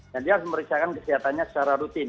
dan dia harus merisakan kesehatannya secara rutin